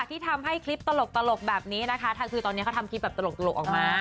ที่ทำให้คลิปตลกแบบนี้นะคะคือตอนนี้เขาทำคลิปแบบตลกออกมา